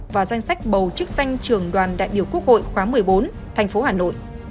và danh sách bầu chức xanh trường đoàn đại biểu quốc hội khóa một mươi bốn thành phố hà nội